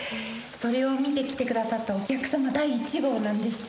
それを見て来てくださったお客様第１号なんです。